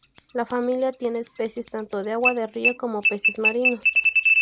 La familia tiene especies tanto de agua de río como peces marinos.